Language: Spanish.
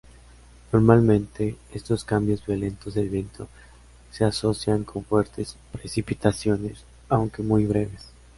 Normalmente, estos cambios violentos del viento se asocian con fuertes precipitaciones, aunque muy breves.